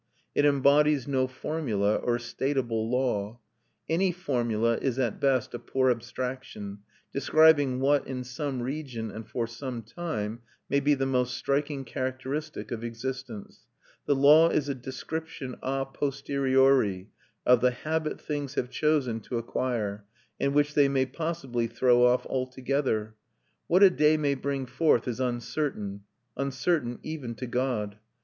It embodies no formula or statable law; any formula is at best a poor abstraction, describing what, in some region and for some time, may be the most striking characteristic of existence; the law is a description a posteriori of the habit things have chosen to acquire, and which they may possibly throw off altogether. What a day may bring forth is uncertain; uncertain even to God.